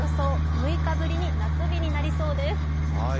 ６日ぶりに夏日になりそうです。